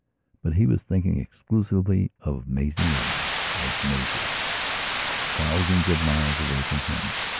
But he was thinking exclusively of Maisie Maidanof Maisie, thousands of miles away from him.